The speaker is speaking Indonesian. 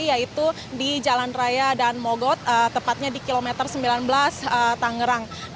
yaitu di jalan raya dan mogot tepatnya di kilometer sembilan belas tangerang